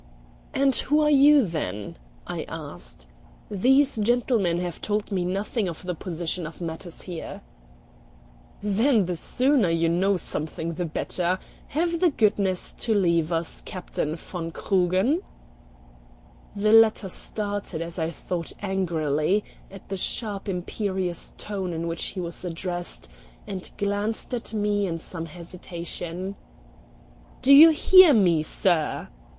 "And who are you, then?" I asked. "These gentlemen have told me nothing of the position of matters here." "Then the sooner you know something the better. Have the goodness to leave us, Captain von Krugen." The latter started, as I thought angrily, at the sharp imperious tone in which he was addressed, and glanced at me in some hesitation. "Do you hear me, sir?"